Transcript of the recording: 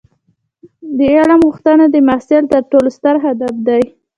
د علم غوښتنه د محصل تر ټولو ستر هدف دی.